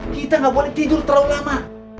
kita nggak boleh tidur terlalu lama